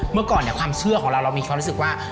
เมื่อก่อนความเชื่อของเราเรามีความรู้สึกว่า